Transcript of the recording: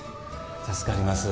助かります。